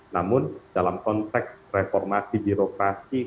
namun dalam konteks reformasi di rakyat rakyat